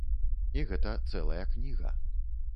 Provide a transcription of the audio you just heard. І гэта цэлая кніга.